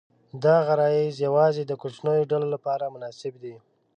دا غرایز یواځې د کوچنیو ډلو لپاره مناسب دي.